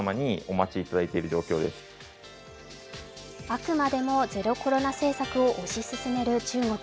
あくまでのゼロコロナ政策を推し進める中国。